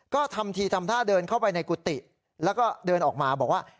ก็ทำทีทำท่าเดินเข้าไปในกุฏิแล้วก็เดินออกมาบอกว่า